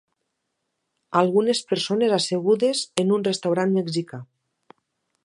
Algunes persones assegudes en un restaurant mexicà.